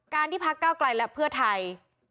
ที่พักเก้าไกลและเพื่อไทย